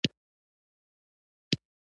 ما سوچ کوو چې امتحان به څنګه ورکوم